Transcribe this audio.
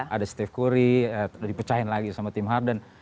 ada steve curry udah dipecahin lagi sama tim harden